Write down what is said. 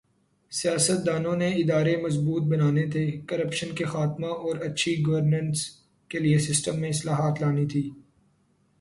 سیاستدانوں نے ادارے مضبوط بنانے تھے، کرپشن کے خاتمہ اور اچھی گورننس کے لئے سسٹم میں اصلاحات لانی تھی۔